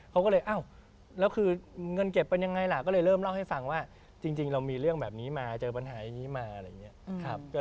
เขาก็เลยอ้าวแล้วคือเงินเก็บเป็นยังไงล่ะก็เลยเริ่มเล่าให้ฟังว่าจริงเรามีเรื่องแบบนี้มาเจอปัญหาอย่างนี้มาอะไรอย่างนี้